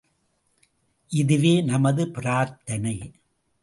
இதுவே நமது பிரார்த்தனை!